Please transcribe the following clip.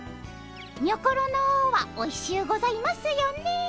にょころのはおいしゅうございますよね。